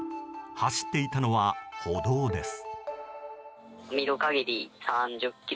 走っていたのは歩道です。